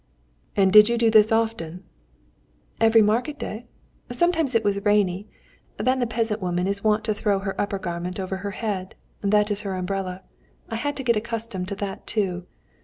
"And did you do this often?" "Every market day. Sometimes it was rainy. Then the peasant woman is wont to throw her upper garment over her head, that is her umbrella. I had to get accustomed to that too.